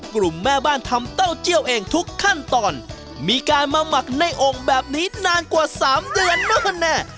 แม่บ้านทำเต้าเจียวเองทุกขั้นตอนมีการมาหมักในโอ่งแบบนี้นานกว่าสามเดือนนู่นแน่